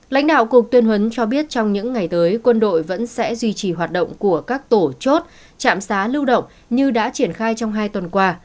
lãnh đạo cục tuyên huấn cho biết trong những ngày tới quân đội vẫn sẽ duy trì hoạt động của các tổ chốt trạm xá lưu động như đã triển khai trong hai tuần qua